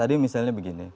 tadi misalnya begini